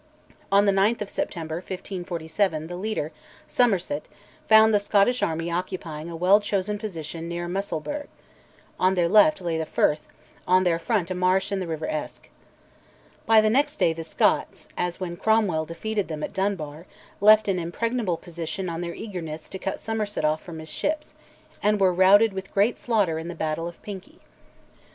On the 9th of September 1547 the leader, Somerset, found the Scottish army occupying a well chosen position near Musselburgh: on their left lay the Firth, on their front a marsh and the river Esk. But next day the Scots, as when Cromwell defeated them at Dunbar, left an impregnable position in their eagerness to cut Somerset off from his ships, and were routed with great slaughter in the battle of Pinkie.